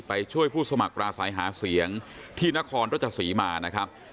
ไปช่วยผู้สมัครปราศัยหาเสียงที่นครรัชศรีมานะครับ